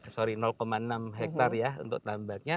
sorry enam hektare ya untuk tambaknya